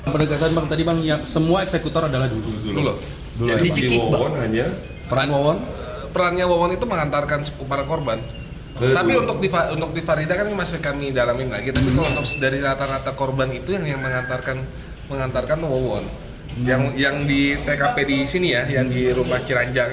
petugas yang mengantarkan mowon yang di tkp di sini ya yang di rumah ciranjang